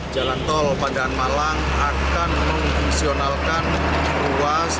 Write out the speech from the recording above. jalan tol pandaan malang akan memfungsionalkan ruas